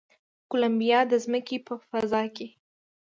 کولمبیا د ځمکې په فضا کې